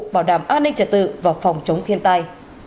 bảo đảm an ninh trật tự và phòng chống thiên tai